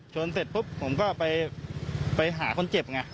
เสร็จปุ๊บผมก็ไปหาคนเจ็บไง